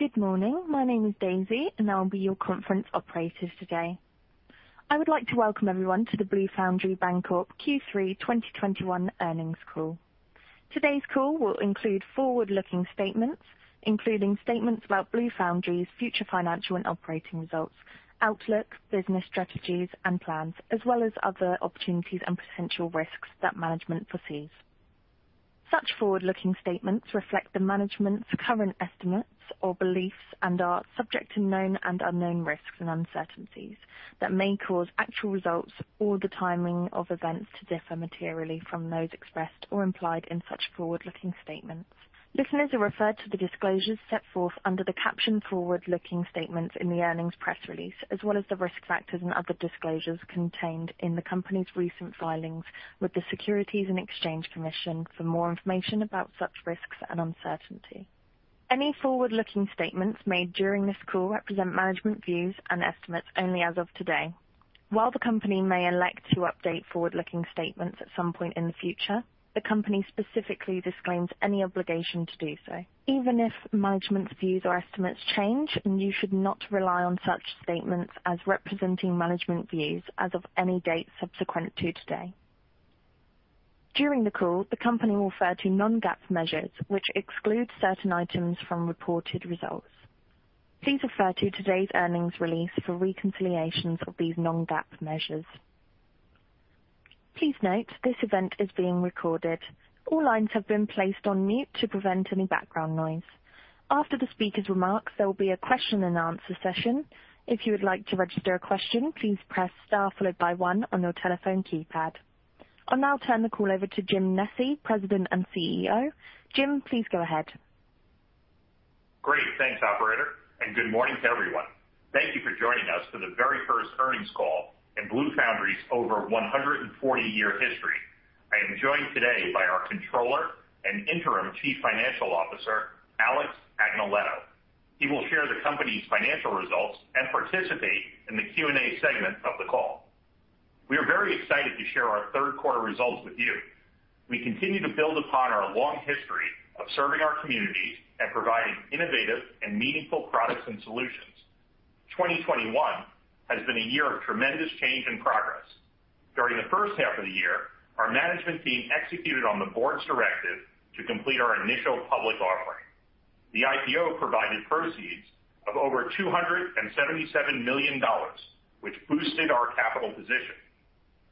Good morning. My name is Daisy. I will be your conference operator today. I would like to welcome everyone to the Blue Foundry Bancorp Q3 2021 earnings call. Today's call will include forward-looking statements, including statements about Blue Foundry's future financial and operating results, outlook, business strategies and plans, as well as other opportunities and potential risks that management foresees. Such forward-looking statements reflect the management's current estimates or beliefs and are subject to known and unknown risks and uncertainties that may cause actual results or the timing of events to differ materially from those expressed or implied in such forward-looking statements. Listeners are referred to the disclosures set forth under the caption Forward-Looking Statements in the earnings press release, as well as the risk factors and other disclosures contained in the company's recent filings with the Securities and Exchange Commission for more information about such risks and uncertainty. Any forward-looking statements made during this call represent management views and estimates only as of today. While the company may elect to update forward-looking statements at some point in the future, the company specifically disclaims any obligation to do so, even if management's views or estimates change, and you should not rely on such statements as representing management views as of any date subsequent to today. During the call, the company will refer to non-GAAP measures, which exclude certain items from reported results. Please refer to today's earnings release for reconciliations of these non-GAAP measures. Please note, this event is being recorded. All lines have been placed on mute to prevent any background noise. After the speakers' remarks, there will be a question and answer session. If you would like to register a question, please press star followed by one on your telephone keypad. I'll now turn the call over to Jim Nesci, President and CEO. James, please go ahead. Great. Thanks, operator, good morning to everyone. Thank you for joining us for the very first earnings call in Blue Foundry's over 140-year history. I am joined today by our Controller and Interim Chief Financial Officer, Alex Agnoletto. He will share the company's financial results and participate in the Q&A segment of the call. We are very excited to share our third quarter results with you. We continue to build upon our long history of serving our communities and providing innovative and meaningful products and solutions. 2021 has been a year of tremendous change and progress. During the first half of the year, our management team executed on the board's directive to complete our initial public offering. The IPO provided proceeds of over $277 million, which boosted our capital position.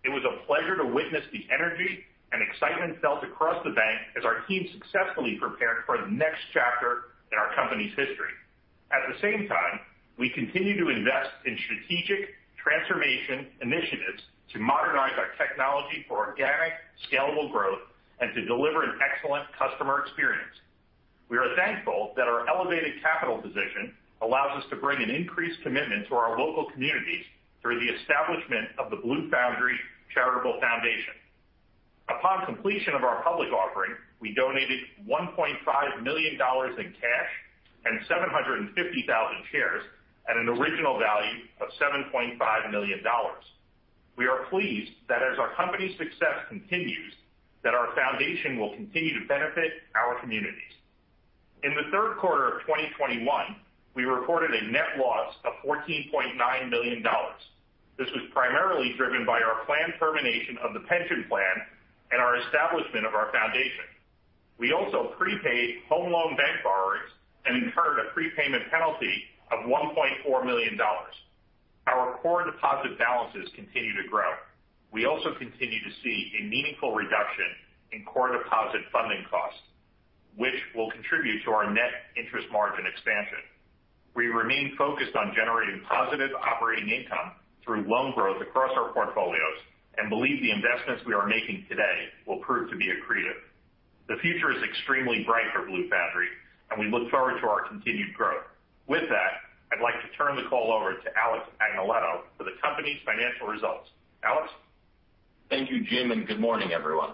It was a pleasure to witness the energy and excitement felt across the bank as our team successfully prepared for the next chapter in our company's history. At the same time, we continue to invest in strategic transformation initiatives to modernize our technology for organic, scalable growth and to deliver an excellent customer experience. We are thankful that our elevated capital position allows us to bring an increased commitment to our local communities through the establishment of the Blue Foundry Charitable Foundation. Upon completion of our public offering, we donated $1.5 million in cash and 750,000 shares at an original value of $7.5 million. We are pleased that as our company's success continues, that our foundation will continue to benefit our communities. In the third quarter 2021, we reported a net loss of $14.9 million. This was primarily driven by our planned termination of the pension plan and our establishment of our foundation. We also prepaid Home Loan Bank borrowings and incurred a prepayment penalty of $1.4 million. Our core deposit balances continue to grow. We also continue to see a meaningful reduction in core deposit funding costs, which will contribute to our net interest margin expansion. We remain focused on generating positive operating income through loan growth across our portfolios and believe the investments we are making today will prove to be accretive. The future is extremely bright for Blue Foundry, and we look forward to our continued growth. With that, I'd like to turn the call over to Alex Agnoletto for the company's financial results. Alex? Thank you, Jim. Good morning, everyone.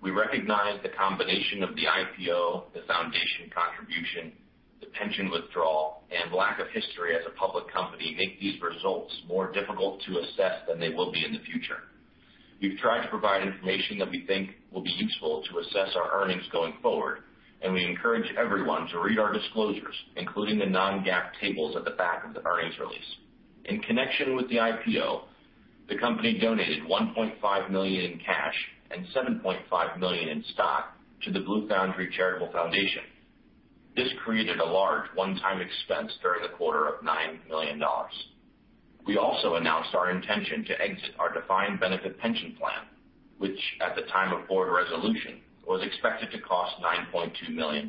We recognize the combination of the IPO, the foundation contribution, the pension withdrawal, and lack of history as a public company make these results more difficult to assess than they will be in the future. We've tried to provide information that we think will be useful to assess our earnings going forward, and we encourage everyone to read our disclosures, including the non-GAAP tables at the back of the earnings release. In connection with the IPO, the company donated $1.5 million in cash and $7.5 million in stock to the Blue Foundry Charitable Foundation. This created a large one-time expense during the quarter of $9 million. We also announced our intention to exit our defined benefit pension plan, which at the time of board resolution, was expected to cost $9.2 million.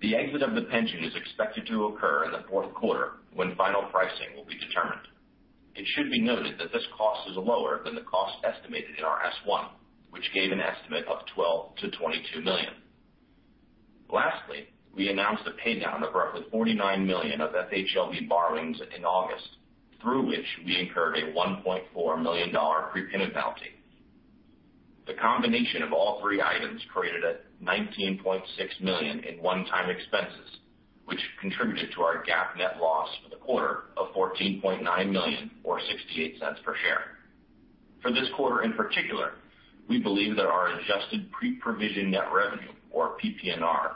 The exit of the pension is expected to occur in the fourth quarter, when final pricing will be determined. It should be noted that this cost is lower than the cost estimated in our S1, which gave an estimate of $12 million-$22 million. Lastly, we announced a pay down of roughly $49 million of FHLB borrowings in August, through which we incurred a $1.4 million prepayment penalty. The combination of all three items created a $19.6 million in one-time expenses, which contributed to our GAAP net loss for the quarter of $14.9 million, or $0.68 per share. For this quarter in particular, we believe that our adjusted pre-provision net revenue, or PPNR,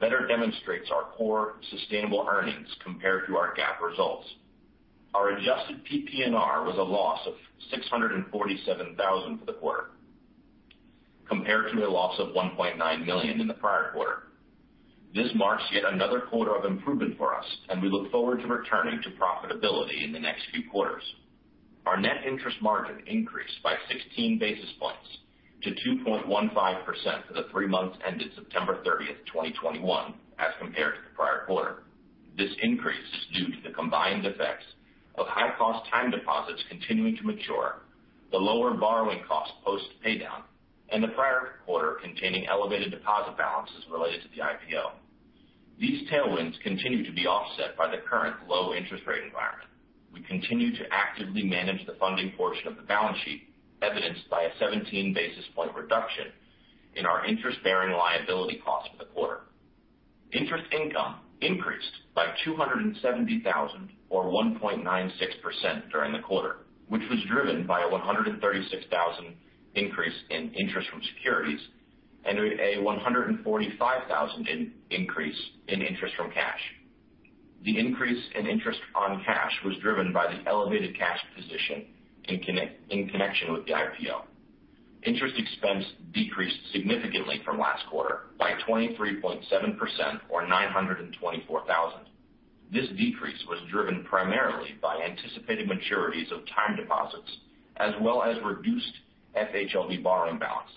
better demonstrates our core sustainable earnings compared to our GAAP results. Our adjusted PPNR was a loss of $647,000 for the quarter, compared to a loss of $1.9 million in the prior quarter. This marks yet another quarter of improvement for us, and we look forward to returning to profitability in the next few quarters. Our net interest margin increased by 16 basis points to 2.15% for the three months ended September 30th, 2021, as compared to the prior quarter. This increase is due to the combined effects of high-cost time deposits continuing to mature, the lower borrowing costs post pay down, and the prior quarter containing elevated deposit balances related to the IPO. These tailwinds continue to be offset by the current low interest rate environment. We continue to actively manage the funding portion of the balance sheet, evidenced by a 17 basis point reduction in our interest-bearing liability cost for the quarter. Interest income increased by $270,000, or 1.96%, during the quarter, which was driven by a $136,000 increase in interest from securities and a $145,000 increase in interest from cash. The increase in interest on cash was driven by the elevated cash position in connection with the IPO. Interest expense decreased significantly from last quarter by 23.7%, or $924,000. This decrease was driven primarily by anticipated maturities of time deposits, as well as reduced FHLB borrowing balances.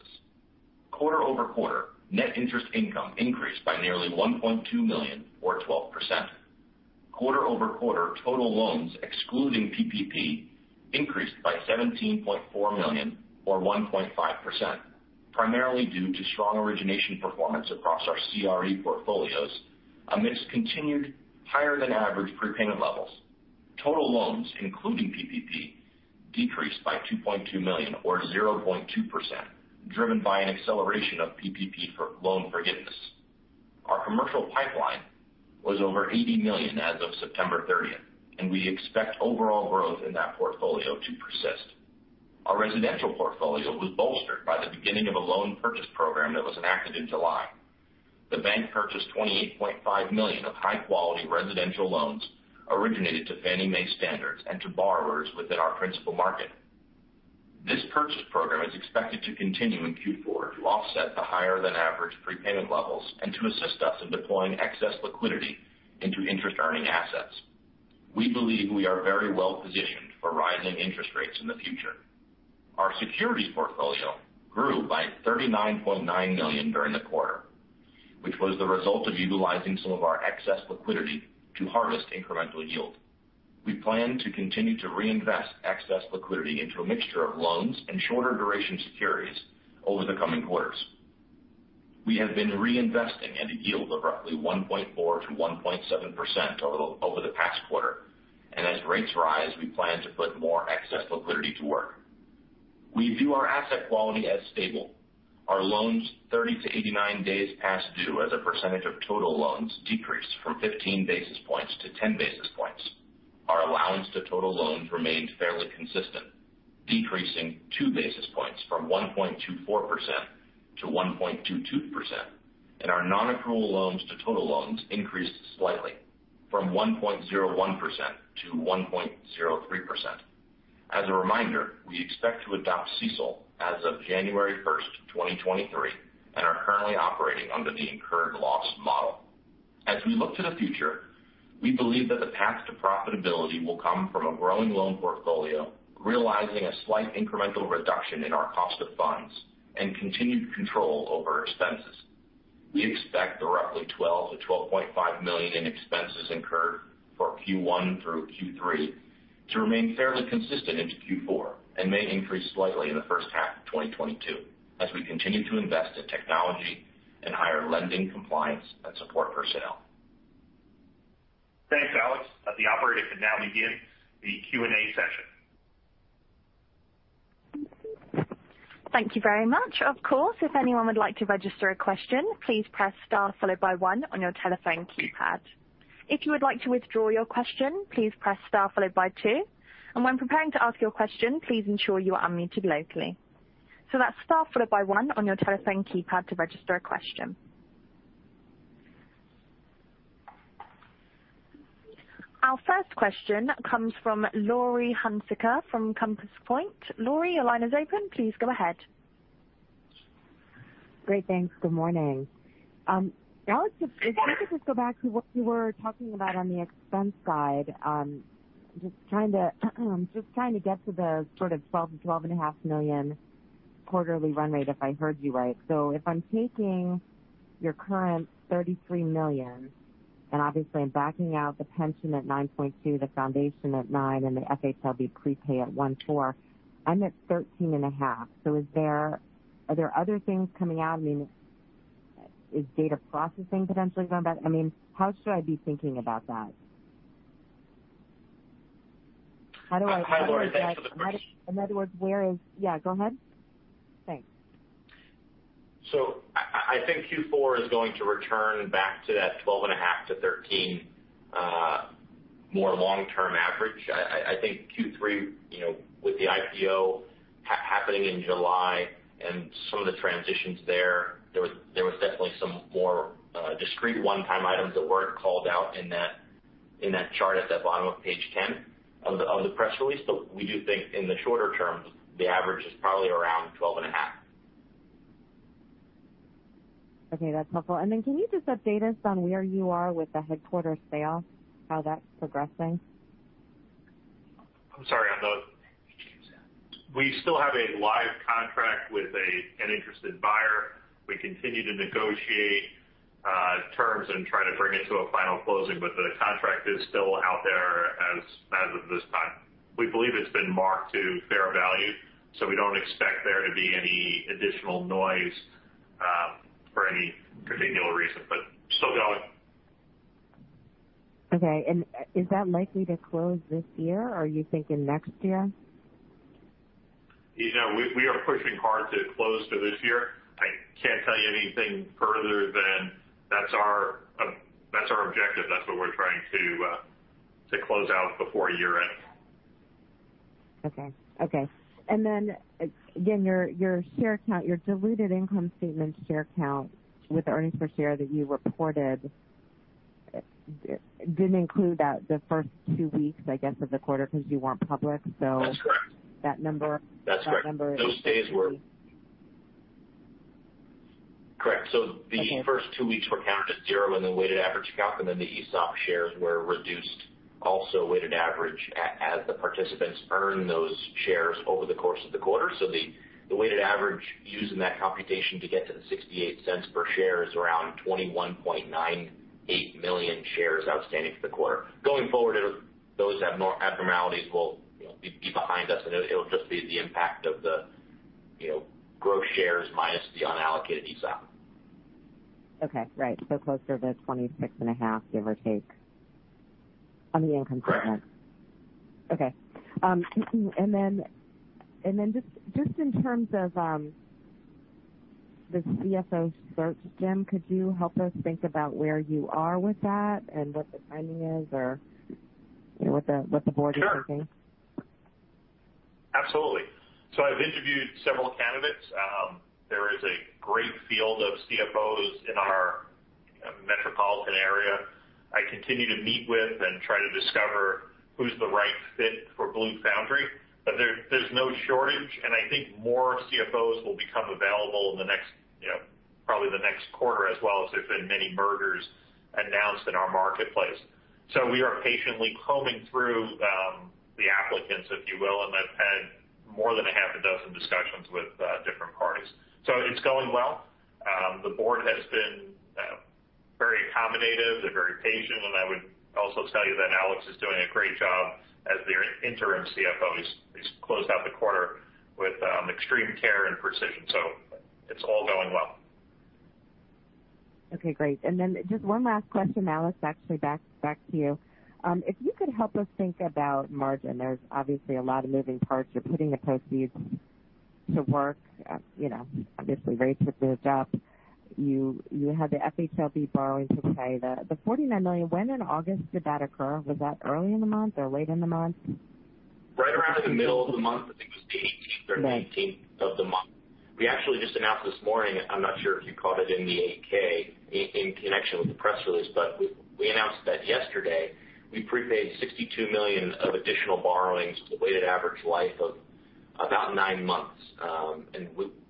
Quarter-over-quarter, net interest income increased by nearly $1.2 million, or 12%. Quarter-over-quarter total loans, excluding PPP, increased by $17.4 million, or 1.5%, primarily due to strong origination performance across our CRE portfolios amidst continued higher than average prepayment levels. Total loans, including PPP, decreased by $2.2 million, or 0.2%, driven by an acceleration of PPP loan forgiveness. Our commercial pipeline was over $80 million as of September 30th, and we expect overall growth in that portfolio to persist. Our residential portfolio was bolstered by the beginning of a loan purchase program that was enacted in July. The bank purchased $28.5 million of high-quality residential loans originated to Fannie Mae standards and to borrowers within our principal market. This purchase program is expected to continue in Q4 to offset the higher than average prepayment levels and to assist us in deploying excess liquidity into interest-earning assets. We believe we are very well-positioned for rising interest rates in the future. Our securities portfolio grew by $39.9 million during the quarter, which was the result of utilizing some of our excess liquidity to harvest incremental yield. We plan to continue to reinvest excess liquidity into a mixture of loans and shorter duration securities over the coming quarters. We have been reinvesting at a yield of roughly 1.4%-1.7% over the past quarter, and as rates rise, we plan to put more excess liquidity to work. We view our asset quality as stable. Our loans 30-89 days past due as a percentage of total loans decreased from 15 basis points to 10 basis points. Our allowance to total loans remained fairly consistent, decreasing 2 basis points from 1.24% to 1.22%, and our non-accrual loans to total loans increased slightly from 1.01% to 1.03%. As a reminder, we expect to adopt CECL as of January 1st, 2023, and are currently operating under the incurred loss model. As we look to the future, we believe that the path to profitability will come from a growing loan portfolio, realizing a slight incremental reduction in our cost of funds, and continued control over expenses. We expect the roughly $12 million-$12.5 million in expenses incurred for Q1 through Q3 to remain fairly consistent into Q4 and may increase slightly in the first half of 2022 as we continue to invest in technology and hire lending compliance and support personnel. Thanks, Alex. The operator can now begin the Q&A session. Thank you very much. Of course, if anyone would like to register a question, please press star followed by one on your telephone keypad. If you would like to withdraw your question, please press star followed by two, and when preparing to ask your question, please ensure you are unmuted locally. That's star followed by one on your telephone keypad to register a question. Our first question comes from Laurie Hunsicker from Compass Point. Laurie, your line is open. Please go ahead. Great. Thanks. Good morning. Alex, if we could just go back to what you were talking about on the expense side. I'm just trying to get to the sort of $12 million-$12.5 million quarterly run rate, if I heard you right. If I'm taking your current $33 million, and obviously I'm backing out the pension at $9.2 million, the foundation at $9 million, and the FHLB prepay at $1.4 million, I'm at $13.5 million. Are there other things coming out? Is data processing potentially going back? How should I be thinking about that? Hi, Laurie. Thanks for the question. In other words. Yeah, go ahead. Thanks. I think Q4 is going to return back to that $12.5 million-$13 million more long-term average. I think Q3, with the IPO happening in July and some of the transitions there was definitely some more discrete one-time items that weren't called out in that chart at the bottom of page 10 of the press release. We do think in the shorter term, the average is probably around $12.5 million. Okay, that's helpful. Can you just update us on where you are with the headquarters sale, how that's progressing? We still have a live contract with an interested buyer. We continue to negotiate terms and try to bring it to a final closing, but the contract is still out there as of this time. We believe it's been marked to fair value, so we don't expect there to be any additional noise for any particular reason, but still going. Okay. Is that likely to close this year, or are you thinking next year? We are pushing hard to close for this year. I can't tell you anything further than that's our objective. That's what we're trying to close out before year-end. Okay. Then, again, your share count, your diluted income statement share count with the earnings per share that you reported didn't include the first two weeks, I guess, of the quarter because you weren't public. That's correct. That number. That's correct. That number is. Those days were. Correct. Okay. First two weeks were counted as zero in the weighted average count, and then the ESOP shares were reduced, also weighted average, as the participants earn those shares over the course of the quarter. The weighted average used in that computation to get to the $0.68 per share is around 21.98 million shares outstanding for the quarter. Going forward, those abnormalities will be behind us, and it'll just be the impact of the growth shares minus the unallocated ESOP. Okay, right. Closer to 26.5, give or take, on the income statement. Correct. Okay. Just in terms of the CFO search, Jim, could you help us think about where you are with that and what the timing is? What the board is thinking? Sure. Absolutely. I've interviewed several candidates. There is a great field of CFOs in our metropolitan area. I continue to meet with and try to discover who's the right fit for Blue Foundry. There's no shortage, and I think more CFOs will become available in probably the next quarter as well, as there's been many mergers announced in our marketplace. We are patiently combing through the applicants, if you will, and I've had more than a half a dozen discussions with different parties. It's going well. The board has been very accommodative. They're very patient, and I would also tell you that Alex is doing a great job as their interim CFO. He's closed out the quarter with extreme care and precision. It's all going well. Okay, great. Just one last question, Alex, actually back to you. If you could help us think about margin. There's obviously a lot of moving parts. You're putting the proceeds to work. Obviously, rates have moved up. You had the FHLB borrowings to pay the $49 million. When in August did that occur? Was that early in the month or late in the month? Right around in the middle of the month. I think it was the 18th or 19th of the month. We actually just announced this morning, I'm not sure if you caught it in the 8-K, in connection with the press release. We announced that yesterday we prepaid $62 million of additional borrowings with a weighted average life of about nine months.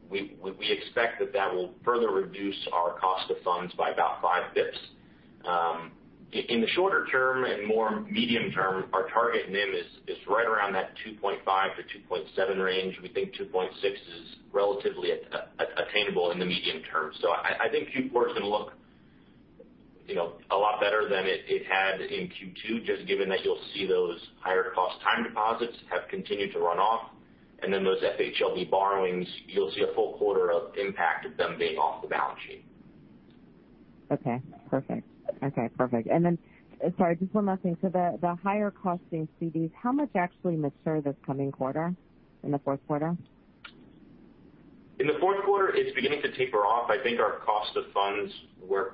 We expect that that will further reduce our cost of funds by about 5 bps. In the shorter term and more medium term, our target NIM is right around that 2.5 to 2.7 range. We think 2.6 is relatively attainable in the medium term. I think Q4 is going to look a lot better than it had in Q2, just given that you'll see those higher-cost time deposits have continued to run off. Those FHLB borrowings, you'll see a full quarter of impact of them being off the balance sheet. Okay, perfect. Sorry, just one last thing. The higher-costing CDs, how much actually mature this coming quarter, in the fourth quarter? In the fourth quarter, it's beginning to taper off. I think our cost of funds, we're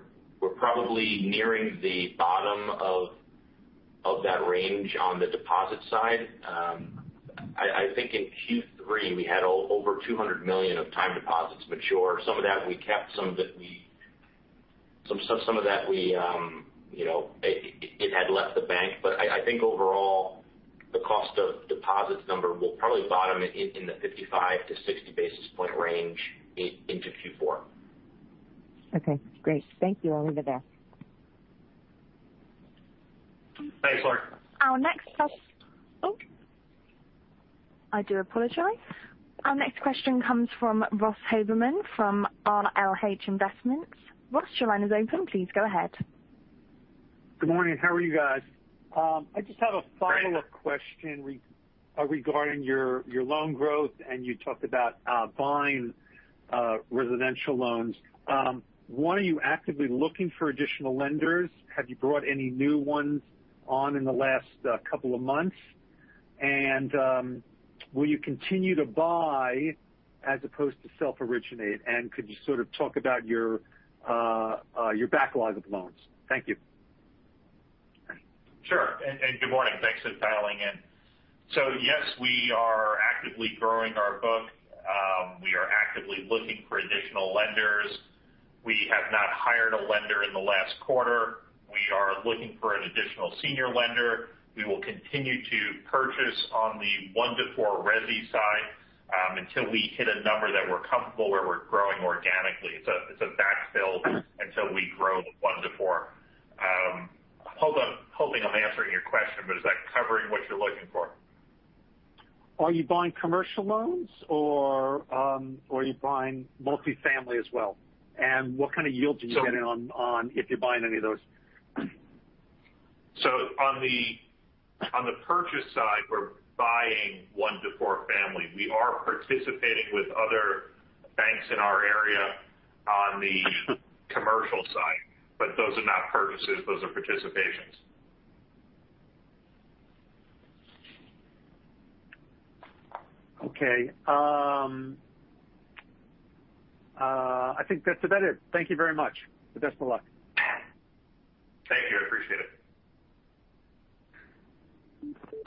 probably nearing the bottom of that range on the deposit side. I think in Q3, we had over $200 million of time deposits mature. Some of that we kept, some of that had left the bank. I think overall, the cost of deposits number will probably bottom in the 55-60 basis point range into Q4. Okay, great. Thank you. I'll leave it there. Thanks, Laurie. Oh, I do apologize. Our next question comes from Ross Haberman from RLH Investments. Ross, your line is open. Please go ahead. Good morning. How are you guys? I just have a follow-up. Great. Question regarding your loan growth, and you talked about buying residential loans. One, are you actively looking for additional lenders? Have you brought any new ones on in the last couple of months? Will you continue to buy as opposed to self-originate? Could you sort of talk about your backlog of loans? Thank you. Sure. Good morning. Thanks for dialing in. Yes, we are actively growing our book. We are actively looking for additional lenders. We have not hired a lender in the last quarter. We are looking for an additional senior lender. We will continue to purchase on the one to four resi side, until we hit a number that we're comfortable where we're growing organically. It's a backfill until we grow the one to four. I'm hoping I'm answering your question, but is that covering what you're looking for? Are you buying commercial loans or are you buying multifamily as well? What kind of yield do you get in on, if you're buying any of those? On the purchase side, we're buying one to four family. We are participating with other banks in our area on the commercial side. Those are not purchases, those are participations. Okay. I think that's about it. Thank you very much. The best of luck. Thank you. I appreciate it.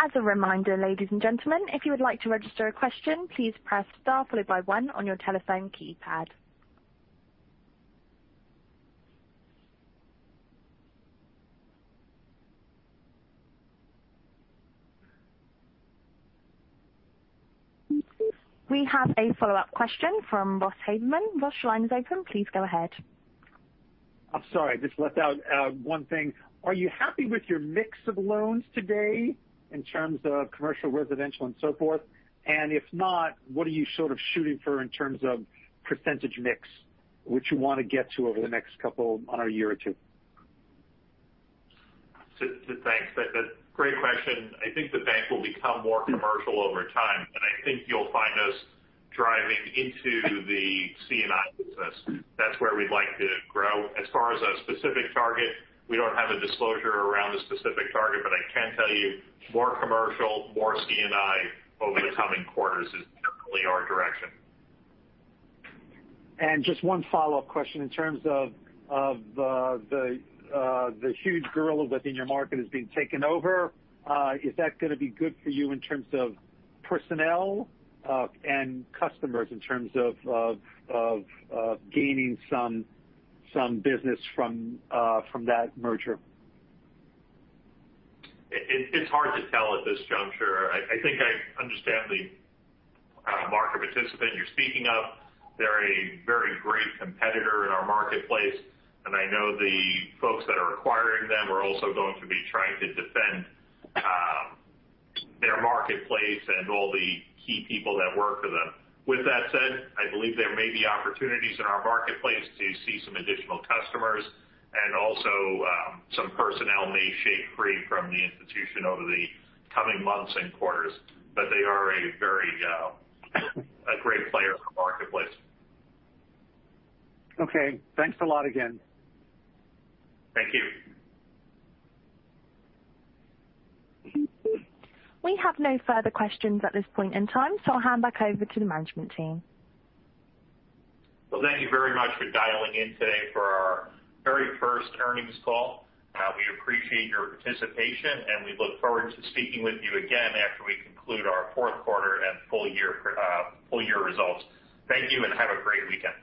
As a reminder, ladies and gentlemen, if you would like to register a question, please press star followed by one on your telephone keypad. We have a follow-up question from Ross Haberman. Ross, your line is open. Please go ahead. I'm sorry. I just left out one thing. Are you happy with your mix of loans today in terms of commercial, residential, and so forth? If not, what are you sort of shooting for in terms of percentage mix, which you want to get to over the next couple on a year or two? Thanks. Great question. I think the bank will become more commercial over time, and I think you'll find us driving into the C&I business. That's where we'd like to grow. As far as a specific target, we don't have a disclosure around a specific target, but I can tell you more commercial, more C&I over the coming quarters is definitely our direction. Just one follow-up question. In terms of the huge gorilla within your market is being taken over, is that going to be good for you in terms of personnel and customers in terms of gaining some business from that merger? It's hard to tell at this juncture. I think I understand the market participant you're speaking of. They're a very great competitor in our marketplace, and I know the folks that are acquiring them are also going to be trying to defend their marketplace and all the key people that work for them. With that said, I believe there may be opportunities in our marketplace to see some additional customers and also some personnel may shake free from the institution over the coming months and quarters. They are a great player in the marketplace. Okay. Thanks a lot again. Thank you. We have no further questions at this point in time, so I'll hand back over to the management team. Well, thank you very much for dialing in today for our very first earnings call. We appreciate your participation, and we look forward to speaking with you again after we conclude our fourth quarter and full-year results. Thank you and have a great weekend.